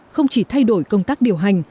không chỉ thay đổi công tác điều hành